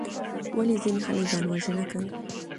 ولې ځینې خلک ځان وژنه کوي؟